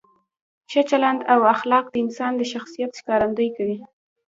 ښه چلند او اخلاق د انسان د شخصیت ښکارندویي کوي.